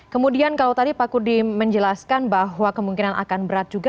kemudian kalau tadi pak kudi menjelaskan bahwa kemungkinan akan berat juga